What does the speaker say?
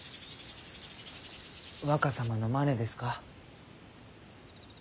若様のマネですか？